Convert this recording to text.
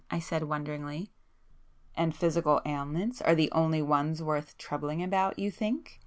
I said wonderingly. "And physical ailments are the only ones worth troubling about, you think?"